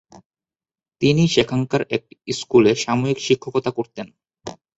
তিনি সেখানকার একটি স্কুলে সাময়িক শিক্ষকতা করতেন।